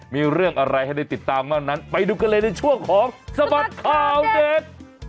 มีเรื่องอะไรให้ได้ติดตามบ้างนั้นไปดูกันเลยในช่วงของสบัดข่าวเด็ก